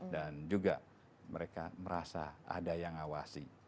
dan juga mereka merasa ada yang awasi